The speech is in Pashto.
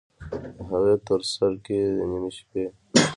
د هغې تورسرکي، د نیمې شپې